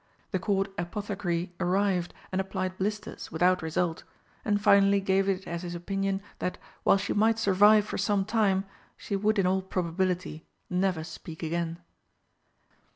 The Court Apothecary arrived and applied blisters without result, and finally gave it as his opinion that, while she might survive for some time, she would in all probability never speak again.